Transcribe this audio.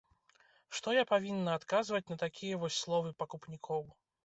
Што я павінна адказваць на такія вось словы пакупнікоў?